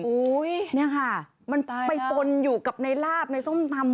อุ๊ยตายแล้วนี่ค่ะมันไปปนอยู่กับในลาบในส้มตำ